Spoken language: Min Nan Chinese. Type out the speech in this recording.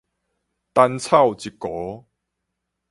單草一糊